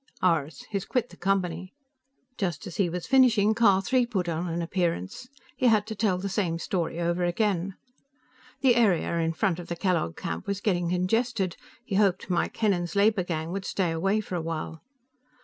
"Ours. He's quit the Company." Just as he was finishing, Car Three put in an appearance; he had to tell the same story over again. The area in front of the Kellogg camp was getting congested; he hoped Mike Hennen's labor gang would stay away for a while.